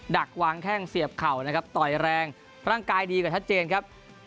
ักวางแข้งเสียบเข่านะครับต่อยแรงร่างกายดีกว่าชัดเจนครับ